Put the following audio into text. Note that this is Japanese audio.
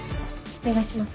お願いします。